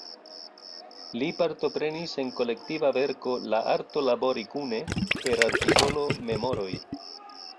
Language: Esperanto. Li partoprenis en kolektiva verko "La arto labori kune" per artikolo "Memoroj".